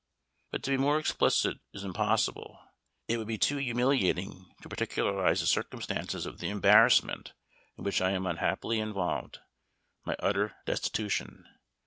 But to be more explicit is impossible; it would be too humiliating to particularize the circumstances of the embarrassment in which I am unhappily involved my utter destitution.